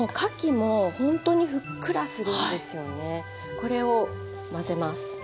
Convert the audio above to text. これを混ぜます。